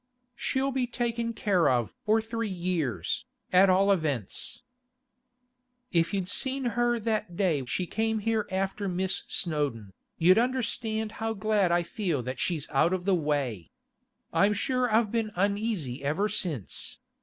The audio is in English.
'She'll be taken care of for three years, at all events.' 'If you'd seen her that day she came here after Miss Snowdon, you'd understand how glad I feel that she's out of the way. I'm sure I've been uneasy ever since.